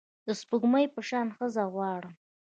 د سپوږمۍ په شان ښځه غواړم